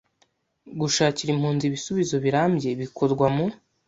Gushakira impunzi ibisubizo birambye bikorwa mu